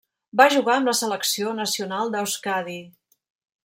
Va jugar amb la selecció nacional d'Euskadi.